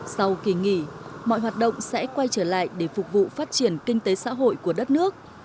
sau kỳ nghỉ mọi hoạt động sẽ quay trở lại để phục vụ phát triển kinh tế xã hội của đất nước